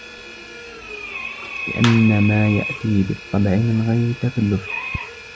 لِأَنَّ مَا يَأْتِيهِ بِالطَّبْعِ مِنْ غَيْرِ تَكَلُّفٍ